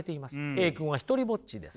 Ａ君は独りぼっちです。